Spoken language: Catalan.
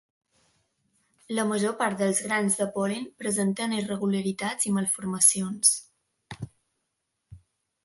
La major part dels grans de pol·len presenten irregularitats i malformacions.